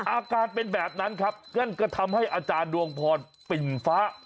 อาการเป็นแบบนั้นครับงั้นก็ทำให้อาจารย์ดวงพรปิ่นฟ้า